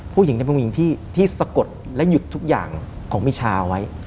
ผู้หญิงเป็นผู้หญิงที่สะกดและหยุดทุกอย่างของมิชาเอาไว้